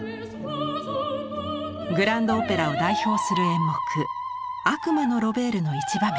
グランド・オペラを代表する演目「悪魔のロベール」の一場面。